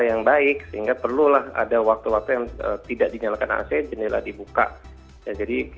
yang baik sehingga perlulah ada waktu waktu yang tidak dinyalakan ac jendela dibuka